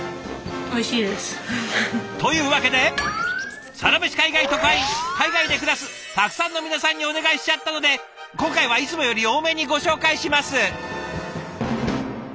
おいしいです。というわけで海外で暮らすたくさんの皆さんにお願いしちゃったので今回はいつもより多めにご紹介します！